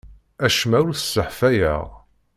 Acemma ur t-sseḥfayeɣ.